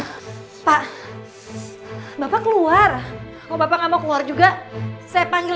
saya mau ngomong sesuatu sama kamu